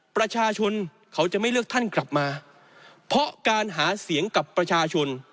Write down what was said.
ประชาชนเขาจะไม่เลือกท่านกลับมาเพราะการหาเสียงกับประชาชน